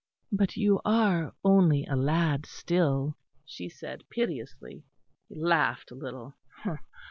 "But you are only a lad still," she said piteously. He laughed a little.